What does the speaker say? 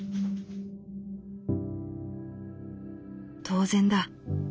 「当然だ。